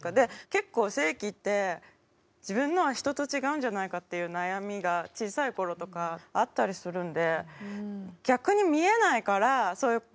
結構性器って自分のは人と違うんじゃないかっていう悩みが小さい頃とかあったりするんで逆に見えないからそういう持たないでいいコンプレックスが